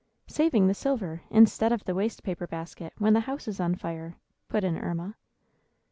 "Saving the silver, instead of the waste paper basket, when the house is on fire," put in Erma.